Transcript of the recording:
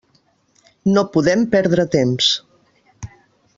No podem perdre temps.